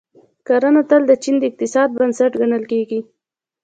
کرنه تل د چین د اقتصاد بنسټ ګڼل کیږي.